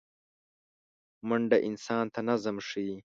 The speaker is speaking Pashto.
منډه انسان ته نظم ښيي